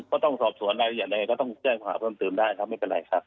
ก็ต้องสอบสวนรายละเอียดใดก็ต้องแจ้งข้อหาเพิ่มเติมได้ครับไม่เป็นไรครับ